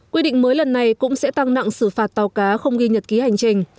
quy định mới lần này cũng sẽ tăng nặng xử phạt tàu cá không ghi nhật ký hành trình